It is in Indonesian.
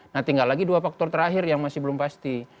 nah tinggal lagi dua faktor terakhir yang masih belum pasti